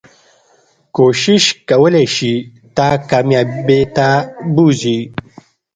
کوښښ کولی شي تا کاميابی ته بوځي